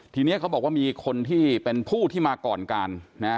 ทีนี้เขาบอกว่ามีคนที่เป็นผู้ที่มาก่อนการนะ